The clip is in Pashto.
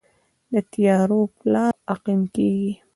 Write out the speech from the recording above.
د تیارو پلار عقیم کیږي